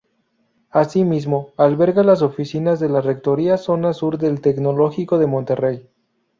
Así mismo, alberga las oficinas de la Rectoría Zona sur del Tecnológico de Monterrey.